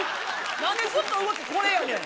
何でずっと動きこれやねん。